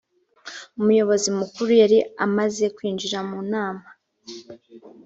umuyobozi mukuru yari amaze kwinjira mu nama